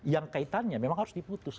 yang kaitannya memang harus diputus